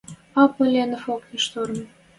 А Поленов окня шторым